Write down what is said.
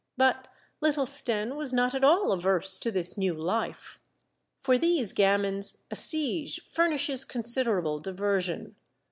but little Stenne was not at all averse to this new Hfe. For these gamins a siege furnishes considerable diversion.